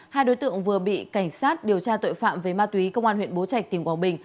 hai đối tượng vừa bị cảnh sát điều tra tội phạm về ma túy công an huyện bố trạch tỉnh quảng bình